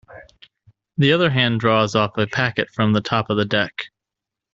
The other hand draws off a packet from the top of the deck.